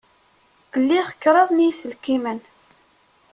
Liɣ kraḍ n yiselkimen.